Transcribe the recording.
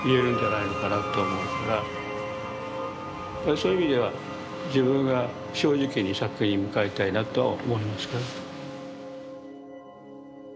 そういう意味では自分が正直に作品に向かいたいなとは思いますけどね。